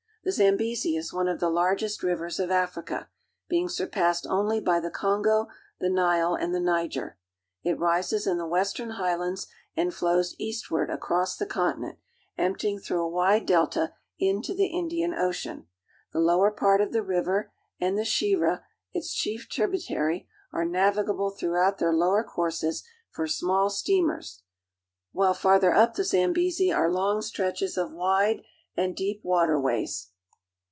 The Zambezi is one of the largest rivers of Africa, being surpassed only by the Kongo, the Nile, and the Niger. It rises in the western highlands and flows eastward across the continent, emptying through a wide delta into the Indian Ocean. The lower part of the river and the Shire, its chief tributary, are navigable throughout their lower courses for small steamers, while, farther up the Zambezi, are long stretches of wide and deep water ways.